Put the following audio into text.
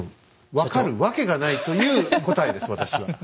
分かるわけがないという答えです私は。